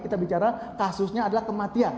kita bicara kasusnya adalah kematian